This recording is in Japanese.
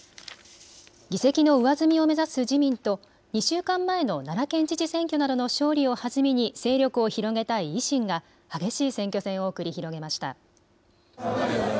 議席の上積みを目指す自民と２週間前の奈良県知事選挙などの勝利を弾みに勢力を広げたい維新が激しい選挙戦を繰り広げました。